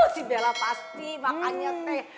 si bella pasti makannya teh